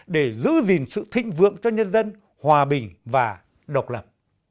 để giữ gìn sự thịnh vượng cho nhân dân hòa bình và độc lập